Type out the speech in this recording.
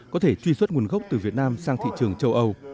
có thể truy xuất nguồn gốc từ việt nam sang thị trường châu âu